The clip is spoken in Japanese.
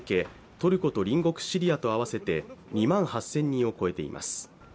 トルコと隣国シリアと合わせて２万８０００人を超えています